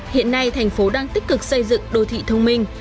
hiện nay thành phố đang tích cực xây dựng đô thị thông minh